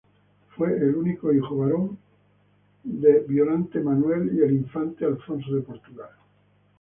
Fue el único hijo varón del infante Alfonso de Portugal y de Violante Manuel.